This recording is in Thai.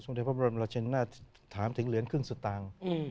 เด็พระบรมราชินนาฏถามถึงเหรียญครึ่งสตางค์